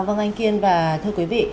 vâng anh kiên và thưa quý vị